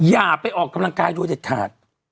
อย่าไปออกกำลังกายโดยเด็ดขาด